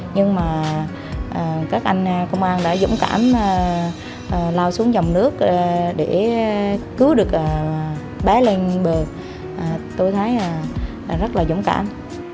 nhưng mà các anh công an đã dũng cảm lao xuống dòng nước để cứu được bé lên bờ tôi thấy rất là dũng cảm